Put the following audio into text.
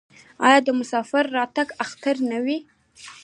آیا د مسافر راتګ اختر نه وي؟